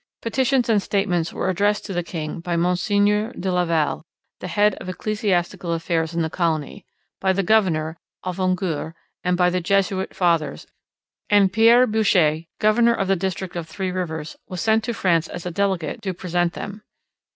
Petitions and statements were addressed to the king by Mgr de Laval, the head of ecclesiastical affairs in the colony, by the governor Avaugour, and by the Jesuit fathers; and Pierre Boucher, governor of the district of Three Rivers, was sent to France as a delegate to present them.